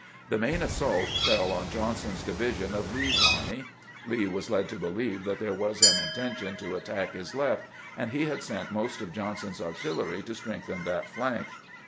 The main assault fell on Johnson's division of Lee's army. Lee was led to beheve that there was an intention to attack his left, and he had sent most of Johnson's artillery to strengthen that flank.